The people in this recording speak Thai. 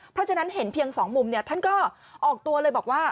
เพราะฉะนั้นเห็นเพียงสองมุมท่านก็ออกตัวเลยบอกว่า